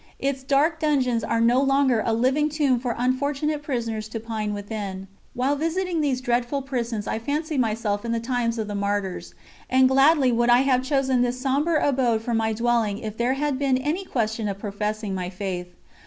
Its dark dungeons are no longer a living tomb for unfortunate prisoners to pine within. While visiting these dreadful prisons I fancied myself in the times of the martyrs, and gladly would I have chosen this sombre abode for my dwelling if there had been any question of confessing my faith.